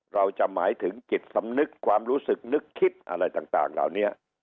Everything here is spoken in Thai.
เราจะหมายถึงจิตสำนึกความรู้สึกนึกคิดอะไรต่างเหล่านี้